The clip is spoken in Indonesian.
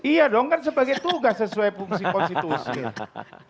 iya dong kan sebagai tugas sesuai fungsi konstitusi